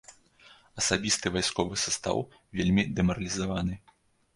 Асабісты вайсковы састаў вельмі дэмаралізаваны.